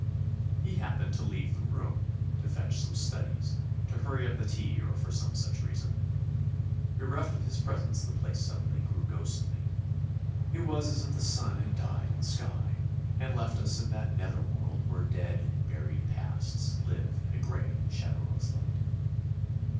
He happened to leave the room to fetch some studies, to hurry up the tea or for some such reason. Bereft of his presence the place suddenly grew ghostly. It was as if the sun had died in the sky and left us in that nether world where dead, buried pasts live in a grey, shadowless light.